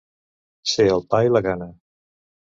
Ser el pa i la gana.